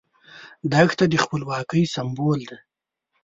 دښته د خپلواکۍ سمبول ده.